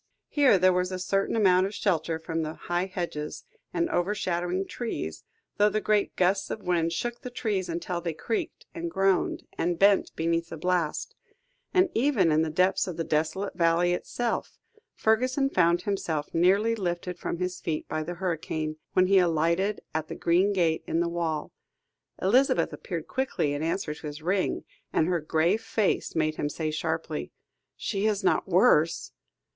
Here there was a certain amount of shelter from the high hedges and overshadowing trees, though the great gusts of wind shook the trees until they creaked, and groaned, and bent beneath the blast; and even in the depths of the desolate valley itself, Fergusson found himself nearly lifted from his feet by the hurricane, when he alighted at the green gate in the wall. Elizabeth appeared quickly in answer to his ring, and her grave face made him say sharply "She is not worse?"